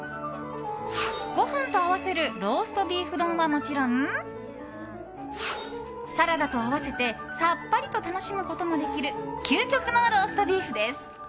ご飯と合わせるローストビーフ丼はもちろんサラダと合わせてさっぱりと楽しむこともできる究極のローストビーフです。